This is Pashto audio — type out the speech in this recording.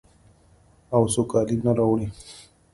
او سوکالي نه راوړي.